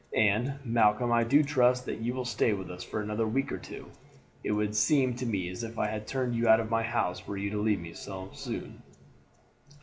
And, Malcolm, I do trust that you will stay with us for another week or two. It would seem to me as if I had turned you out of my house were you to leave me so soon."